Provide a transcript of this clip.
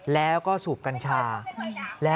แล้วก็สูบกัญชา